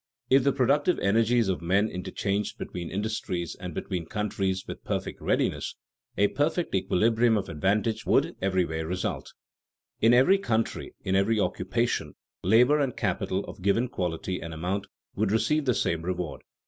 If the productive energies of men interchanged between industries and between countries with perfect readiness, a perfect equilibrium of advantage would everywhere result. In every country, in every occupation, labor and capital of given quality and amount would receive the same reward.